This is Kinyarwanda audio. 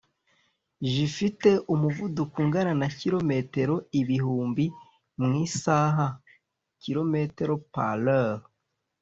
J- ifite umuvuduko ungana na Kilometero ibihumbi mu isaha( km/h)